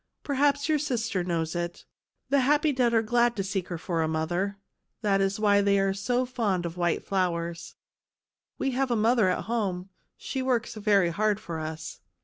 " Perhaps your sister knows it ; the happy dead are glad to seek her for a mother; CHILDREN OF THE MOON 165 that is why they are so fond of white flowers." " We have a mother at home. She works very hard for us."